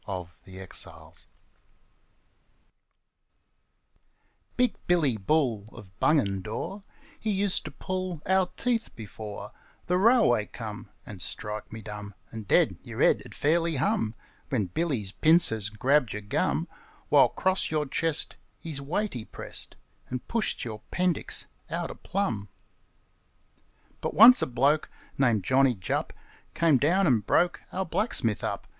Subject(s): Dentists BIG Billy Bull Of Bungendore, He used to pull Our teeth before The railway come; And strike me dumb, And dead, Your head 'Ud fairly hum, When Billy's pincers grabbed your gum, While 'cross your chest His weight he prest And pushed your 'pendix outer plumb. But once a bloke Named Johnny Jupp Came down and broke Our blacksmith up.